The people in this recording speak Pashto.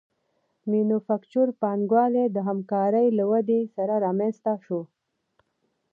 مینوفکچور پانګوالي د همکارۍ له ودې سره رامنځته شوه